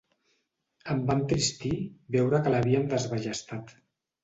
Em va entristir veure que l'havien desballestat.